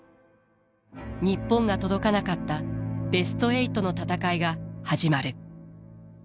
日本が届かなかったベスト８の戦いが始まる。